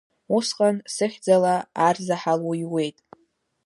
Усҟан сыхьӡала арзаҳал уҩуеит.